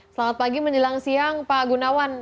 selamat pagi menjelang siang pak gunawan